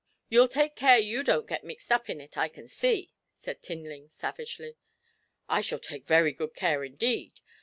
'You'll take care you don't get mixed up in it, I can see,' said Tinling, savagely. 'I shall take very good care indeed.